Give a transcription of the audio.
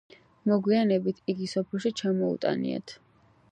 მოგვიანებით იგი სოფელში ჩამოუტანიათ.